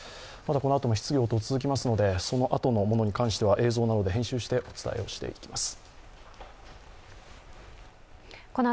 このあとも質疑応答、続きますのでそのあとのものに関しては映像などで編集して、お伝えをしていきます。